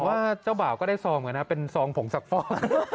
ผมว่าเจ้าบ่าก็ได้ซองกันนะเป็นซองผงสักฟอบ